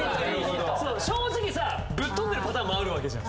正直さぶっ飛んでるパターンもあるわけじゃん